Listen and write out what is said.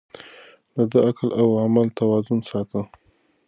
ده د عقل او عمل توازن ساته.